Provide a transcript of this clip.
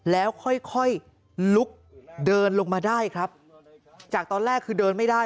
แล้วค่อยค่อยลุกเดินลงมาได้ครับจากตอนแรกคือเดินไม่ได้